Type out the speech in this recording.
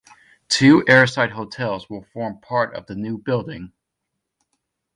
Two airside hotels will form part of the new building.